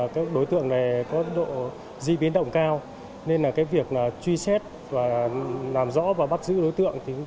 các đối tượng này có độ di biến động cao nên là cái việc là truy xét và làm rõ và bắt giữ đối tượng